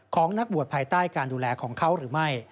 นักบวชภายใต้การดูแลของเขาหรือไม่